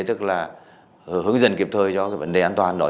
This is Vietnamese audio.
tức là hướng dẫn kịp thời cho cái vấn đề an toàn đó